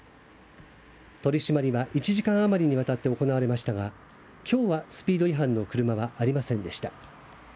取り締まりは１時間余りにわたって行われましたがきょうはスピード違反の車はありませんでした。